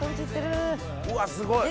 うわっすごい！